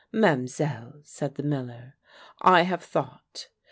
" Ma'm'selle," said the miller, " I have thought.